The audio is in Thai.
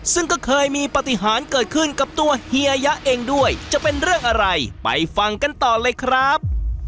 ซึ่งก็เคยมีปฏิหารเกิดขึ้นกับตัวเฮียยะเองด้วยจะเป็นเรื่องอะไรไปฟังกันต่อเลยครับ